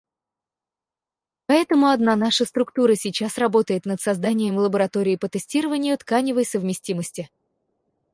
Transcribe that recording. Поэтому одна наша структура сейчас работает над созданием лаборатории по тестированию тканевой совместимости.